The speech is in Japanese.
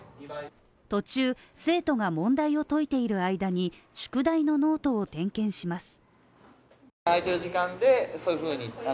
途中、生徒が問題を解いている間に宿題のノートを点検します。